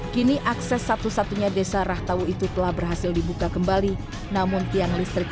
kini akses satu satunya desa rahtawu itu telah berhasil dibuka kembali namun tiang listrik